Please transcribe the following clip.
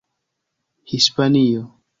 Hispanio